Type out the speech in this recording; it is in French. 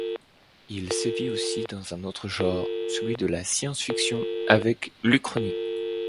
Il sévit aussi dans un autre genre, celui de la science-fiction, avec l'uchronie.